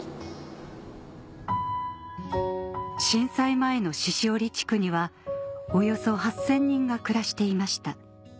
震災前の鹿折地区にはおよそ８０００人が暮らしていました